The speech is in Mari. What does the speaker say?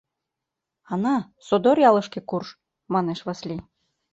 — Ана, содор ялышке курж, — манеш Васлий.